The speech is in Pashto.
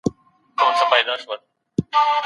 زما دقام خلګ چي جوړ سي رقيبان ساتي